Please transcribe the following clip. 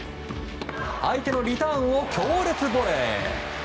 相手のリターンを強烈ボレー。